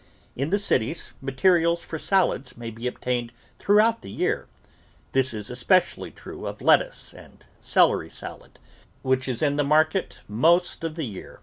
In the cities materials for salads may be obtained throughout the year; this is especially true of let tuce and celery salad, which is in the market most of the year.